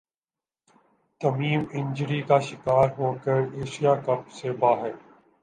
تمیم injury کا شکار ہو کر ایشیا کپ سے باہر